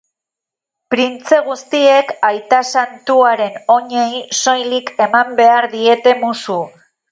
Printze guztiek aita santuaren oinei soilik eman behar diete musu.